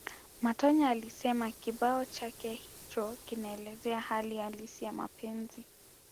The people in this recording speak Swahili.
Matonya alisema kibao chake hicho kinaelezea hali halisi ya mapenzi